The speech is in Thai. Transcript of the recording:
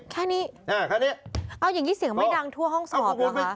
แค่นี้แค่นี้เอาอย่างนี้เสียงไม่ดังทั่วห้องสอบเหรอคะ